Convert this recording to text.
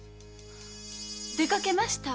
出かけました。